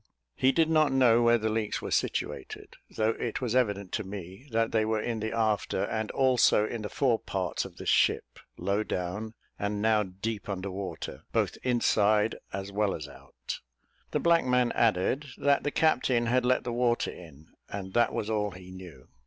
He did not know where the leaks were situated, though it was evident to me that they were in the after and also in the fore parts of the ship, low down, and now deep under water, both inside as well as out. The black man added, that the captain had let the water in, and that was all he knew.